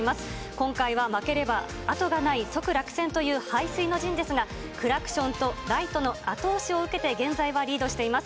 今回は負ければ後がない即落選という背水の陣ですが、クラクションとライトの後押しを受けて、現在はリードしています。